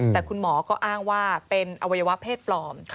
แต่คุณหมอก็อ้างว่าเป็นอวัยวะเพศปลอม